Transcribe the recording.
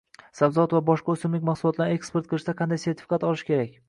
Sabzavot va boshqa o’simlik mahsulotlarini eksport qilishda qanday sertifikat olish kerak?